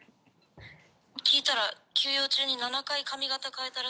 「聞いたら休養中に７回髪形変えたらしいんですよ」